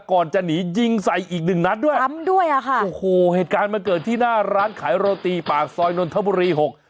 ก่อนจะหนียิงใส่อีกหนึ่งนัดด้วยซ้ำด้วยอ่ะค่ะโอ้โหเหตุการณ์มันเกิดที่หน้าร้านขายโรตีปากซอยนนทบุรีหก